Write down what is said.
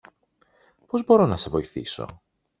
Πώς μπορώ να σε βοηθήσω;